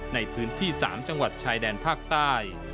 ในพื้นที่๓จังหวัดชายแดนภาคใต้